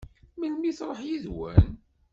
Melmi i tṛuḥ yid-wen?